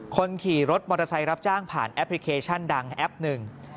คนขี่รถมอเตอร์ไซค์รับจ้างผ่านแอปพลิเคชันดังแอปหนึ่ง